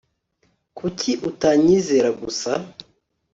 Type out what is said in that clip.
Kuki utanyizera gusa